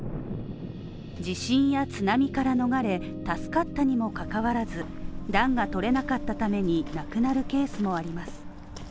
地震や津波から逃れ、助かったにもかかわらず、暖がとれなかったために亡くなるケースもあります。